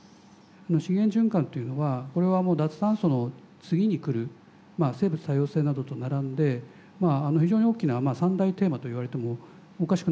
資源循環というのはこれはもう脱炭素の次に来るまあ生物多様性などと並んで非常に大きな３大テーマといわれてもおかしくないぐらいのですね